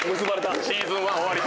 シーズン１終わり。